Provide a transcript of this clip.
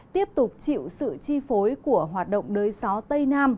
tiếp tục chịu sự chi phối của hoạt động đới gió tây nam